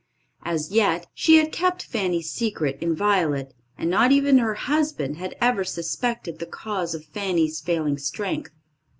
As yet, she had kept Fanny's secret inviolate, and not even her husband had ever suspected the cause of Fanny's failing strength.